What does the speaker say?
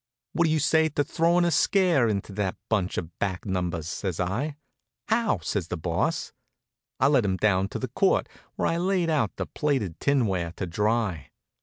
"What do you say to throwing a scare into that bunch of back numbers?" says I. "How?" says the Boss. I led him down to the court, where I'd laid out the plated tinware to dry.